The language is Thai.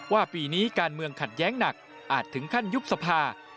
ปีนี้การเมืองขัดแย้งหนักอาจถึงขั้นยุบสภา